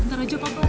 bentar aja pak bas